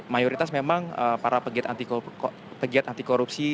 mayoritas memang para pegiat anti korupsi